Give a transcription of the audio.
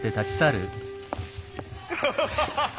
ハハハハハ。